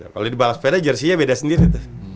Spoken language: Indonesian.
kalau di balap sepeda jerseynya beda sendiri